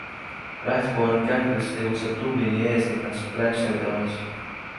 Rathborne Candles tegutseb Dublini eeslinnas Blanchardstownis.